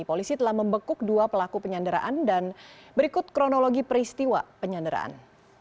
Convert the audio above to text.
polisi telah membekuk dua pelaku penyanderaan dan berikut kronologi peristiwa penyanderaan